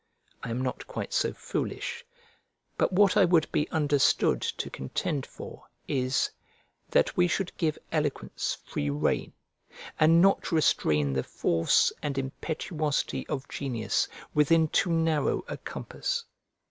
I am not quite so foolish; but what I would be understood to contend for is, that we should give eloquence free rein, and not restrain the force and impetuosity of genius within too narrow a compass.